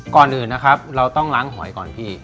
ก่อนอื่นนะครับเราต้องล้างหอยก่อนพี่